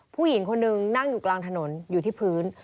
ผู้หญิงคนนึงนั่งอยู่กลางถนนอยู่ที่พื้น